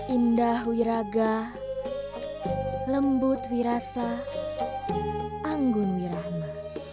indah wiraga lembut wirasa anggun wirahma